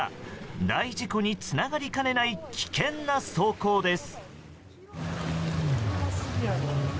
大事故につながりかねない危険な走行です。